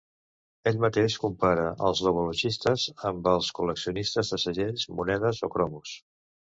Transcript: Ell mateix compara els "logologistes" amb els col·leccionistes de segells, monedes o cromos.